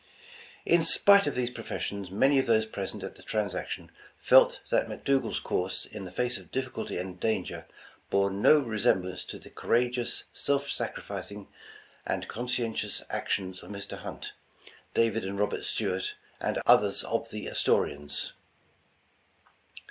'' In spite of these professions, many of those present at the transaction felt that McDougars course, in the face of difficulty and danger, bore no resemblance to the courageous, self sacrificing and conscientious action 221 The Original John Jacob Aster of Mr. Hunt, David and Robert Stuart, and others of the Astorians.